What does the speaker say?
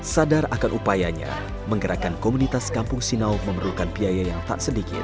sadar akan upayanya menggerakkan komunitas kampung sinau memerlukan biaya yang tak sedikit